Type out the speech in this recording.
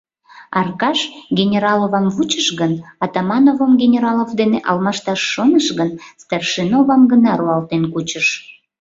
Аркаш Генераловам вучыш гын, Атамановым Генералов дене алмашташ шоныш гын, Старшиновам гына руалтен кучыш.